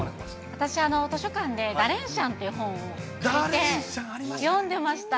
私、図書館でダレンシャンっていう本を借りて読んでました。